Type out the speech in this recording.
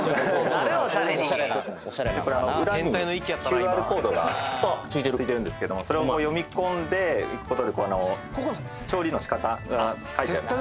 オシャレにでこれ裏にＱＲコードが付いてるんですけどもそれを読み込んでいくことで調理のしかたが書いてあります